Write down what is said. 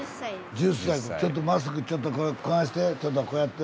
ちょっとマスクちょっとこないしてちょっとこうやって。